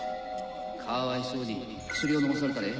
かわいそうに薬を飲まされたね。